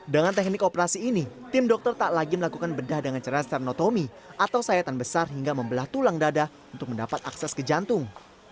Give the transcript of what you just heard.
dengan teknik operasi ini tim dokter tak lagi melakukan bedah dengan cerah sternotomi atau sayatan besar hingga membelah tulang dada untuk mendapat akses ke jantung